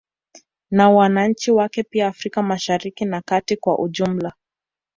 Na wananchi wake pia Afrika Mashariki na kati kwa ujumla